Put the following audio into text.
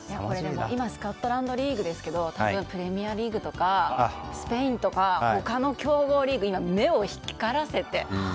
今、スコットランドリーグですけど、プレミアリーグとかスペインとか他の強豪リーグが目を光らせて。